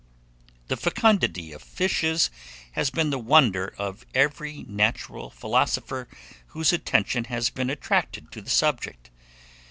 THE FECUNDITY OF FISHES has been the wonder of every natural philosopher whose attention has been attracted to the subject.